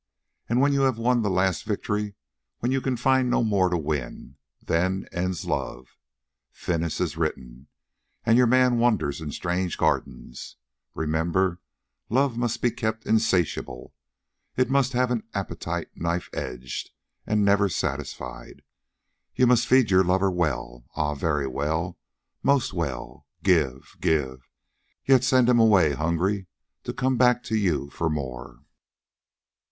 And when you have won the last victory, when you can find no more to win, then ends love. Finis is written, and your man wanders in strange gardens. Remember, love must be kept insatiable. It must have an appetite knife edged and never satisfied. You must feed your lover well, ah, very well, most well; give, give, yet send him away hungry to come back to you for more."